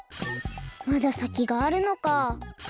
まださきがあるのか。